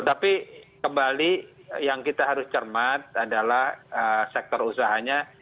tapi kembali yang kita harus cermat adalah sektor usahanya